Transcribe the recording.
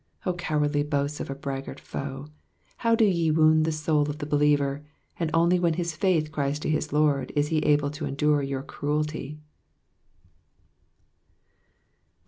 O cowardly boasts of a braggart foe, how do ye wound the soul of the believer : and only when his faith cries to his Lord is he able to endure your cruelty.